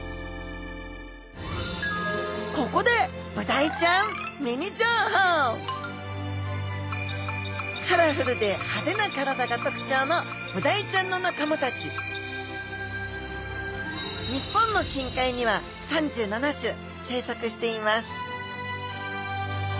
ここでブダイちゃんミニ情報カラフルで派手な体が特徴のブダイちゃんの仲間たち生息しています